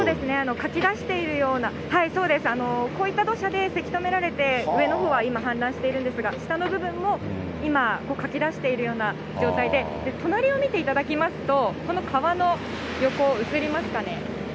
かき出しているような、そうです、こういった土砂でせき止められて、上のほうが今、氾濫しているんですが、下の部分も今、かき出しているような状態で、隣を見ていただきますと、この川の横、映りますかね。